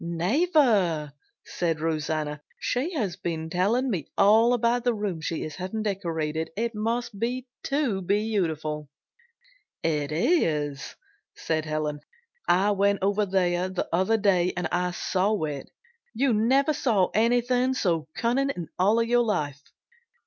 "Never!" said Rosanna. "She has been telling me all about the room she is having decorated. It must be too beautiful!" "It is," said Helen. "I went over there the other day and saw it. You never saw anything so cunning in your life.